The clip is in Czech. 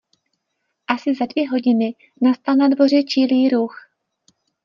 Asi za dvě hodiny nastal na dvoře čilý ruch.